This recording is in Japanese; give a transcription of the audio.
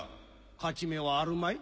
勝ち目はあるまい。